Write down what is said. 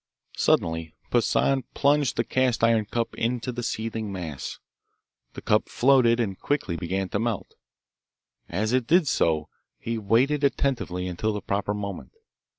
Suddenly Poissan plunged the cast iron cup into the seething mass. The cup floated and quickly began to melt. As it did so he waited attentively until the proper moment.